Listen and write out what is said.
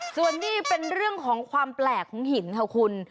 ส่วนนี้เป็นเรื่องของความแปลกของหินค่ะคุณ